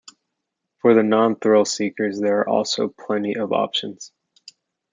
For the non-thrill-seekers there are also plenty of options.